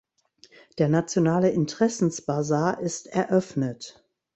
Der nationale Interessensbasar ist eröffnet.